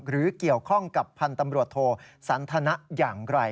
หรือเกี่ยวข้องกับพันธ์ตำรวจโทสันทนะอย่างไร